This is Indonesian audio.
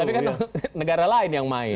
tapi kan negara lain yang main